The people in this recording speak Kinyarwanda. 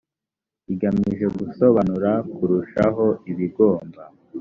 igamije gusobanura kurushaho ibigomba